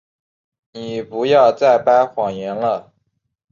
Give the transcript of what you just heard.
你不要再掰谎言了。